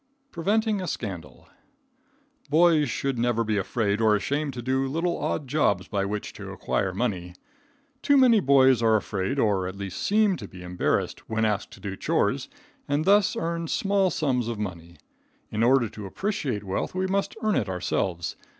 Preventing a Scandal. Boys should never be afraid or ashamed to do little odd jobs by which to acquire money. Too many boys are afraid, or at least seem to be embarrassed when asked to do chores, and thus earn small sums of money. In order to appreciate wealth we must earn it ourselves.